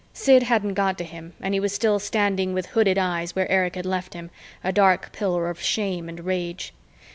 Sid hadn't got to him and he was still standing with hooded eyes where Erich had left him, a dark pillar of shame and rage.